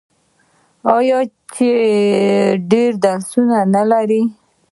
آیا چې ډیر درسونه نلري؟